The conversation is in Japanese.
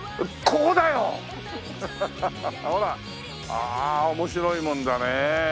ああ面白いもんだねえ。